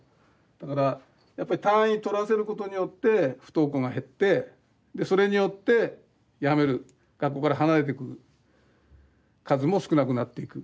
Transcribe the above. だからやっぱり単位取らせることによって不登校が減ってでそれによってやめる学校から離れてく数も少なくなっていく。